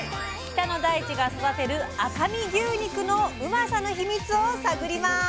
北の大地が育てる赤身牛肉のうまさのヒミツを探ります！